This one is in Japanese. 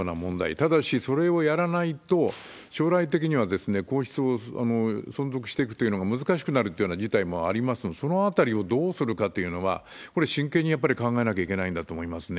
ただし、それをやらないと、将来的には皇室を存続していくというのが難しくなるというような事態もありますので、そのあたりをどうするかというのは、これ、真剣にやっぱり考えなきゃいけないんだと思いますね。